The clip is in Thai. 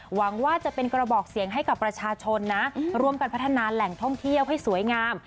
หวังว่าจะเป็นกระบอกเสียงให้กับประชาชนนะร่วมกันพัฒนาแหล่งท่องเที่ยวให้สวยงาม